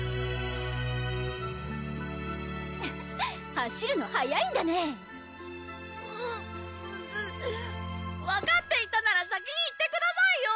走るの速いんだね分かっていたなら先に言ってくださいよ！